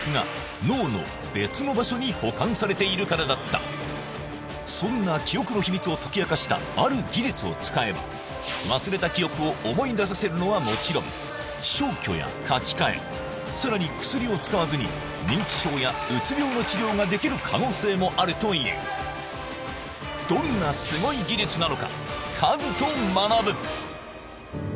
その原因はそんな記憶の秘密を解き明かしたある技術を使えば忘れた記憶をさらに薬を使わずに認知症やうつ病の治療ができる可能性もあるというどんなすごい技術なのか？